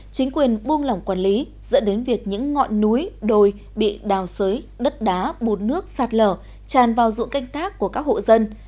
chính quyền buông lỏng quản lý dẫn đến việc những ngọn núi đồi bị đào sới đất đá bột nước sạt lở tràn vào dụng canh tác của các hộ dân